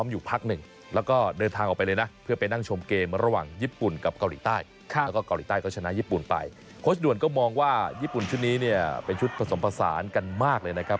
ญี่ปุ่นชุดนี้เนี่ยเป็นชุดผสมผสานกันมากเลยนะครับ